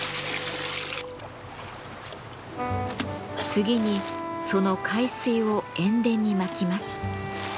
次にその海水を塩田にまきます。